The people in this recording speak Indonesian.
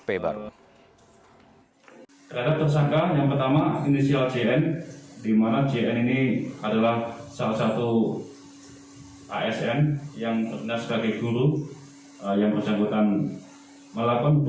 pembangunan intin dengan korban juga